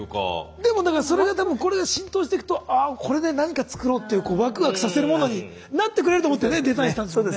でもだからそれが多分これが浸透していくとああこれで何か作ろうってワクワクさせるものになってくれると思ってねデザインしたんですもんね。